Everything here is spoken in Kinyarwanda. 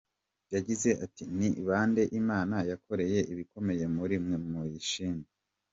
Yagize ati “Ni bande Imana yakoreye ibikomeye muri mwe? Muyishime.